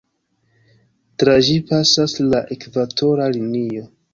Tra ĝi pasas la Ekvatora Linio.